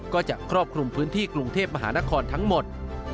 ก็จะครอบคลุมพื้นที่กรุงเทพมหานครทั้งหมด